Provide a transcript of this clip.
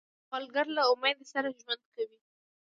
سوالګر له امید سره ژوند کوي